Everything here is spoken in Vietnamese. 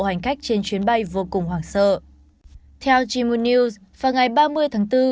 quân khách trên chuyến bay vô cùng hoảng sợ theo chimun news vào ngày ba mươi tháng bốn